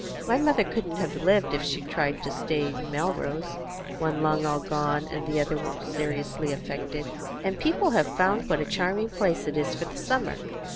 My mother couldn't have lived, if she had tried to stay in Melrose. One lung all gone, and the other seriously affected. And people have found out what a charming place it is for the summer.